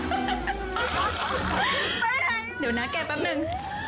เดี๋ยวนะแกแป๊บนึง